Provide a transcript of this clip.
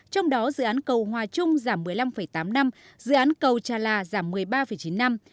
trong đó dự án cầu hòa trung giảm một mươi năm tám năm dự án cầu trà là giảm một mươi ba chín năm